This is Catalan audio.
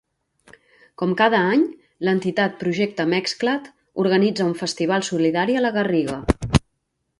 Com cada any, l'entitat Projecte Mexcla't organitza un festival solidari a la Garriga.